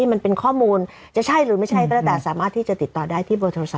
มันเป็นข้อมูลจะใช่หรือไม่ใช่ก็แล้วแต่สามารถที่จะติดต่อได้ที่เบอร์โทรศัพ